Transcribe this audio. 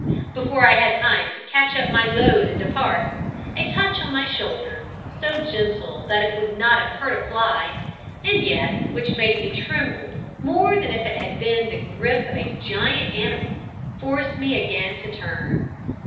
Before I had time to catch up my load and depart, a touch on my shoulder, so gentle that it would not have hurt a fly, and yet which made me tremble more than if it had been the grip of a giant animal, forced me again to turn.